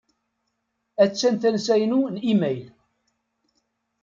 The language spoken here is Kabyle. Attan tansa-inu n imayl.